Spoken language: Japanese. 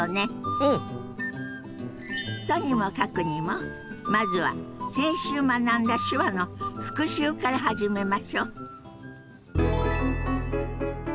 とにもかくにもまずは先週学んだ手話の復習から始めましょ。